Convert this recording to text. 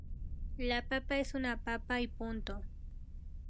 La papa es una papa y punto.